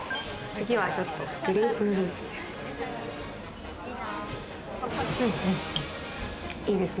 次はちょっとグレープフルーツです。